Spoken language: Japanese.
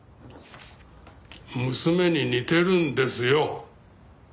娘に似てるんですよ。